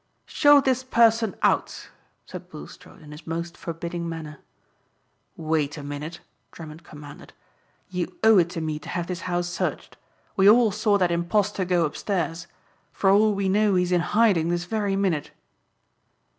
"Show this person out," said Bulstrode in his most forbidding manner. "Wait a minute," Drummond commanded, "you owe it to me to have this house searched. We all saw that impostor go upstairs. For all we know he's in hiding this very minute."